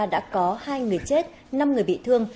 đã có hai người chết năm người bị thương